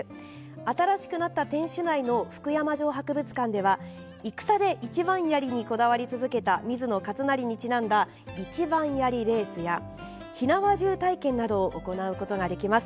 新しくなった天守内の福山城博物館では戦で一番槍にこだわり続けた水野勝成にちなんだ一番槍レースや火縄銃体験などを行うことができます。